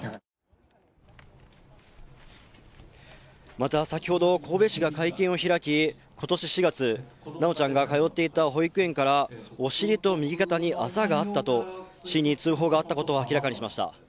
また先ほど神戸市が会見を開き、今年４月修ちゃんが通っていた保育園からお尻と右肩にあざがあったと市に通報があったことを明らかにしました。